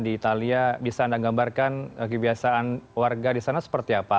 di italia bisa anda gambarkan kebiasaan warga di sana seperti apa